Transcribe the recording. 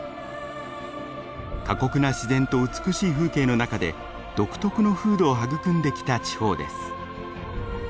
過酷な自然と美しい風景の中で独特の風土を育んできた地方です。